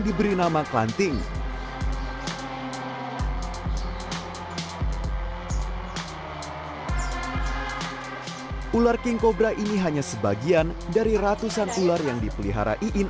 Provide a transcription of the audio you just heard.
diberi nama klanting ular king cobra ini hanya sebagian dari ratusan ular yang dipelihara iin